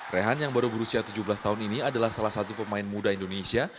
rehan yang baru berusia tujuh belas tahun ini adalah salah satu pemain muda indonesia